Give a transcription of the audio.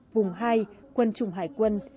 vùng hai quân chủng hải quân